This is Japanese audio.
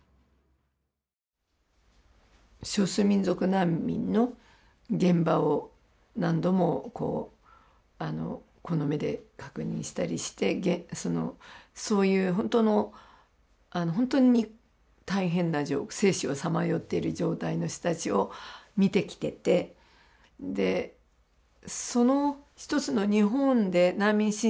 少数民族難民の現場を何度もこうこの目で確認したりしてそういうほんとのほんとに大変な生死をさまよってる状態の人たちを見てきててでその一つの日本で難民申請した人たちは代弁者だと。